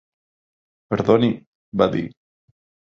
"Perdoni", va dir.